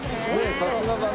さすがだね。